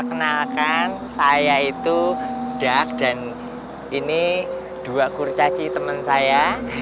kenalkan saya itu dak dan ini dua kurcaci teman saya